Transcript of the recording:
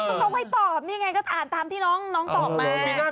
เขาไม่ตอบนี่ไงก็อ่านตามที่น้องตอบมา